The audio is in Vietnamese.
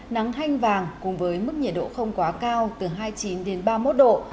nắng hanh vàng cùng với mức nhiệt độ không quá cao từ hai mươi chín đến ba mươi một độ